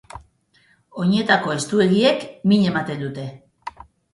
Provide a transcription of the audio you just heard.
Oinetako estuegiek min ematen dute.